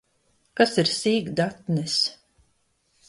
Kas ir sīkdatnes?